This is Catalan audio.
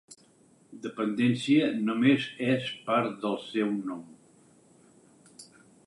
Dependència només és part del seu nom.